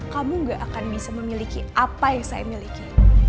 kamu gak akan bisa memiliki apa yang saya miliki